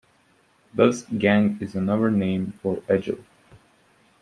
Thus, Gang is another name for Egil.